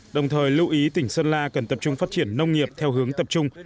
đồng thời lưu ý tỉnh sơn la cần tập trung phát triển nông nghiệp theo hướng tập trung